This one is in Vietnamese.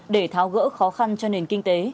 để tháo gỡ khó khăn cho nền kinh tế